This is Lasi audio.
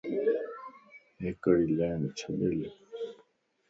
ھڪڙي ليڻ ڇڏي لکَ